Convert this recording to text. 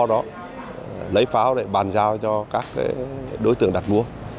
các đối tượng có thể lấy kho đó lấy pháo để bàn giao cho các đối tượng đặt mua